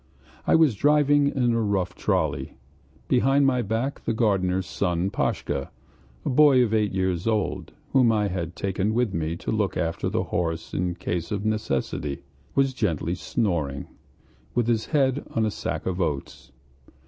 I was driving in a rough trolley. Behind my back the gardener's son Pashka, a boy of eight years old, whom I had taken with me to look after the horse in case of necessity, was gently snoring, with his head on a sack of oats.